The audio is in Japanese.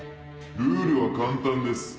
ルールは簡単です。